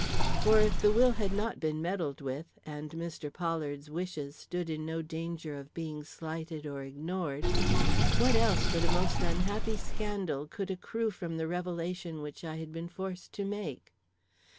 For if the will had not been meddled with, and Mr. Pollard's wishes stood in no danger of being slighted or ignored, what else but a most unhappy scandal could accrue from the revelation which I should be forced to make?